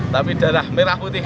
tapi darah merah putih